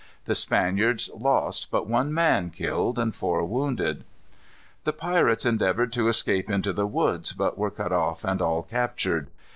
The Spaniards lost but one man killed and four wounded. The pirates endeavored to escape into the woods, but were cut off and all captured.